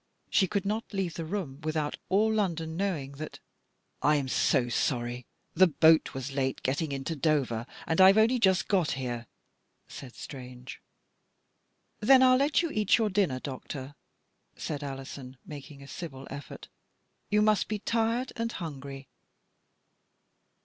She could not leave the room without all London knowing that " I'm so sorry. The boat was late getting into Dover, and I've only just got here," said Strange. " Then 111 let you eat your dinner, doc tor," said Alison, making a civil effort, " you must be tired and hungry."